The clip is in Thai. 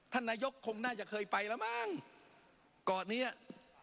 ท่านนายกคงน่าจะเคยไปละมั้งกรอนี้ครับ